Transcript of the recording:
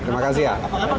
terima kasih ya